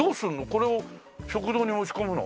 これを食堂に持ち込むの？